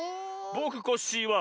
「ぼくコッシー」は。